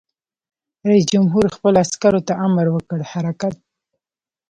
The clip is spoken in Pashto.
رئیس جمهور خپلو عسکرو ته امر وکړ؛ حرکت!